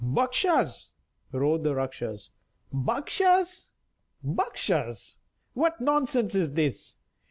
"Bakshas!" roared the Rakshas. "Bakshas! Bakshas! What nonsense is this?